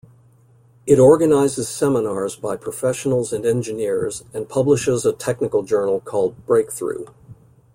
It organizes seminars by professionals and engineers and publishes a technical journal called "Breakthrough".